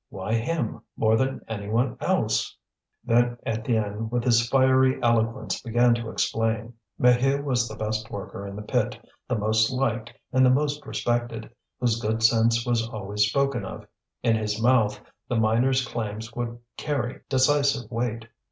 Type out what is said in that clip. Why him, more than any one else?" Then Étienne, with his fiery eloquence, began to explain. Maheu was the best worker in the pit, the most liked, and the most respected; whose good sense was always spoken of. In his mouth the miners' claims would carry decisive weight.